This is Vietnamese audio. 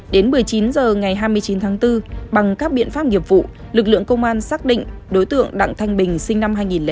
đến một mươi chín h ngày hai mươi chín tháng bốn bằng các biện pháp nghiệp vụ lực lượng công an xác định đối tượng đặng thanh bình sinh năm hai nghìn bốn